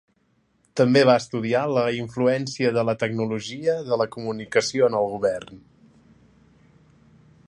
També va estudiar la influència de la tecnologia de la comunicació en el govern.